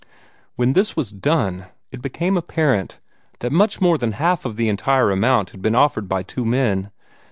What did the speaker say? When this was done, it became apparent that much more than half of the entire amount had been offered by two men.